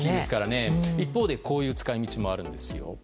一方でこういう使い道もあるんです。